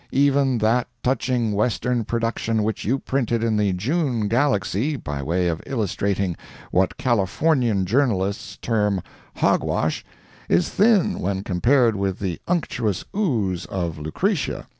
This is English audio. Even that touching Western production which you printed in the June GALAXY by way of illustrating what Californian journalists term 'hogwash,' is thin when compared with the unctuous ooze of 'Lucretia.'"